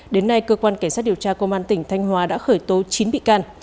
đến nay cơ quan cảnh sát điều tra công an tỉnh thanh hóa đã khởi tố chín bị can